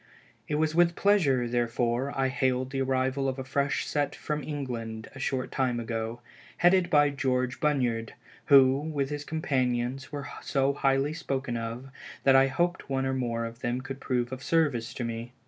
It was with pleasure, therefore, I hailed the arrival of a fresh set from England a short time ago, headed by George Bunyard, who, with his companions were so highly spoken of, that I hoped one or more of them would prove of service to me.